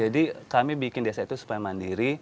jadi kami bikin desa itu supaya mandiri